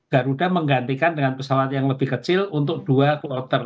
garuda menggantikan dengan pesawat yang lebih kecil untuk dua kloter